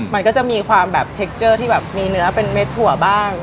มันก็จะมีความแบบเทคเจอร์ที่แบบมีเนื้อเป็นเม็ดถั่วบ้าง